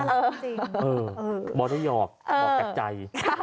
บอกที่ได้หยอกบอกแตกใจ